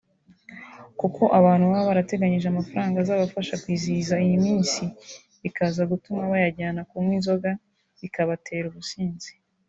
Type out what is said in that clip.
kuko abantu baba barateganyije amafaranga azabafasha kwizihiza iyi minsi bikaza gutuma bayajyana kunywa inzoga zikabatera ubusinzi